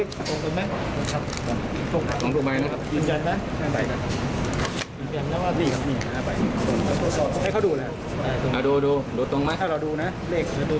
เค้าไหมากันเช็บไงคุณฮางต่อศักดิ์โทษพิธรรมนด์ไง